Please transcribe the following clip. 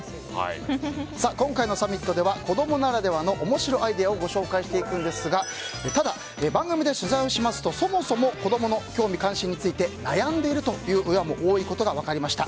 今回のサミットでは子供ならではの面白アイデアをご紹介していくんですがただ、番組で取材をしますとそもそも子供の興味・関心について悩んでいるという親も多いことが分かりました。